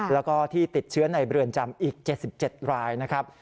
แล้วก็ที่ติดเชื้อในเรือนจำอีก๗๗รายนะครับ